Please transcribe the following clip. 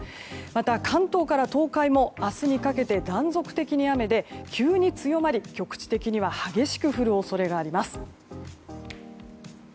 また、関東から東海も明日にかけて断続的に雨で、急に強まり局地的には激しく降る恐れがあります。